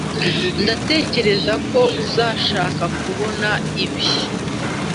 ndatekereza ko uzashaka kubona ibi.